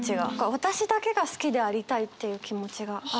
私だけが好きでありたいっていう気持ちがあって。